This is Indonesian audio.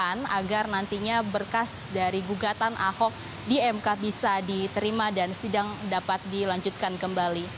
dan juga untuk mencari kesempatan yang lebih berkualitas dari gugatan ahok di mk bisa diterima dan sidang dapat dilanjutkan kembali